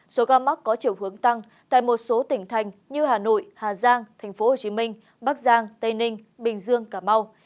số ca mắc có chiều hướng tăng tại một số tỉnh thành như hà nội hà giang tp hcm bắc giang tây ninh bình dương cà mau